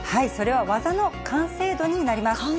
それは技の完成度になります。